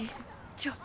ちょっと。